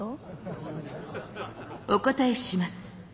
お答えします。